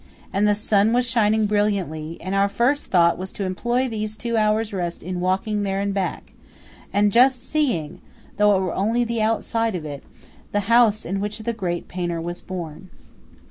and the sun was shining brilliantly, and our first thought was to employ these two hours' rest in walking there and back, and just seeing (though it were only the outside of it) the house in which the great painter was born.